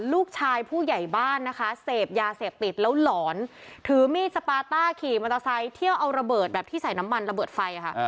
ลูกชายผู้ใหญ่บ้านนะคะเสพยาเสพติดแล้วหลอนถือมีดสปาต้าขี่มอเตอร์ไซค์เที่ยวเอาระเบิดแบบที่ใส่น้ำมันระเบิดไฟค่ะ